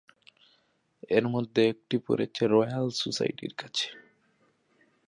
এর মধ্যে একটি পড়েছে রয়্যাল সোসাইটির কাছে।